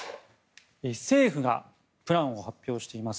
政府がプランを発表しています。